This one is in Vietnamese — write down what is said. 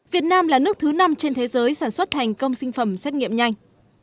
việt nam là nước thứ năm trên thế giới sản xuất thành công sinh phẩm xét nghiệm nhanh